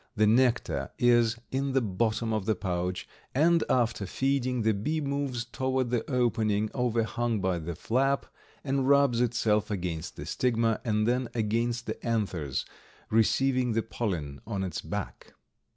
The nectar is in the bottom of the pouch, and after feeding the bee moves toward the opening overhung by the flap, and rubs itself against the stigma and then against the anthers, receiving the pollen on its back.